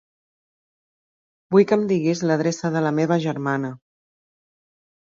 Vull que em diguis l'adreça de la meva germana.